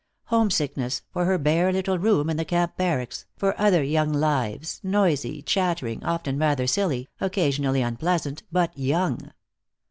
Homesickness for her bare little room in the camp barracks, for other young lives, noisy, chattering, often rather silly, occasionally unpleasant, but young.